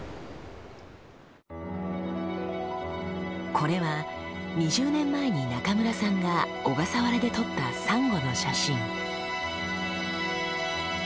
これは２０年前に中村さんが小笠原で撮ったサンゴの写真。